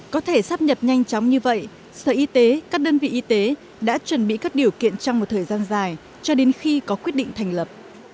có thể sắp nhập nhanh chóng như vậy sở y tế các đơn vị y tế đã chuẩn bị các điều kiện trong một thời gian dài cho đến khi có quyết định thành lập